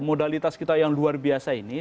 modalitas kita yang luar biasa ini